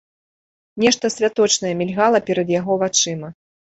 Нешта святочнае мільгала перад яго вачыма.